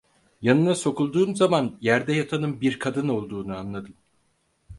Yanına sokulduğum zaman, yerde yatanın bir kadın olduğunu anladım.